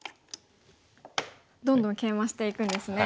どんどんケイマしていくんですね。